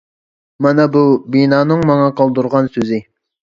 مانا بۇ بىنانىڭ ماڭا قالدۇرغان سۆزى.